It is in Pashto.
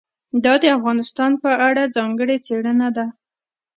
دا د افغانستان په اړه ځانګړې څېړنه ده.